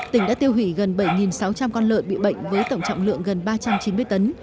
tỉnh đã tiêu hủy gần bảy sáu trăm linh con lợn bị bệnh với tổng trọng lượng gần ba trăm chín mươi tấn